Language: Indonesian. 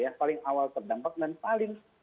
yang paling awal terdampak dan paling